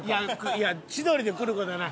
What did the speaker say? いや千鳥で来る事はない。